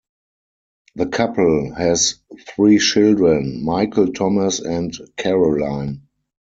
The couple has three children: Michael, Thomas, and Caroline.